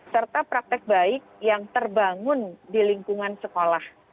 serta praktek baik yang terbangun di lingkungan sekolah